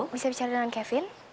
bisa bicara dengan kevin